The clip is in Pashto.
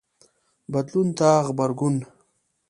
بدلون ته غبرګون